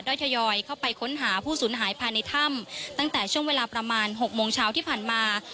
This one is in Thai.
ทยอยเข้าไปค้นหาผู้สูญหายภายในถ้ำตั้งแต่ช่วงเวลาประมาณ๖โมงเช้าที่ผ่านมา